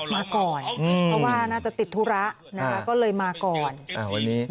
มาก่อนเพราะว่าน่าก็ติดธุระก็เลยมาก่อน